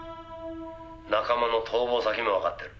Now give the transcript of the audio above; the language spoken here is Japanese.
仲間の逃亡先もわかってる」